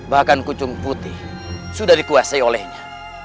bahkan kucung putih sudah dikuasai olehnya